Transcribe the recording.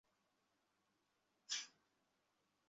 এখানে এসেছ কেন?